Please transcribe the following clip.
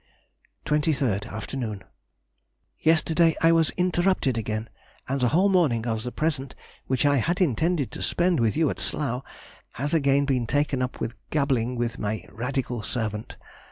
23rd, afternoon.—Yesterday I was interrupted again, and the whole morning of the present, which I had intended to spend with you at Slough, has again been taken up with gabbling with my radical servant.